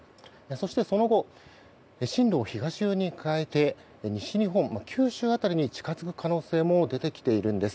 そして、その後進路を東寄りに変えて西日本、九州辺りに近付く可能性も出てきているんです。